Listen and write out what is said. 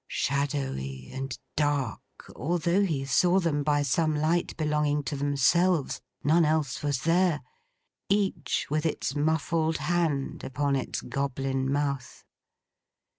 Shadowy and dark, although he saw them by some light belonging to themselves—none else was there—each with its muffled hand upon its goblin mouth.